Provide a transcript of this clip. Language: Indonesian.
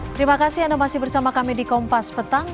terima kasih anda masih bersama kami di kompas petang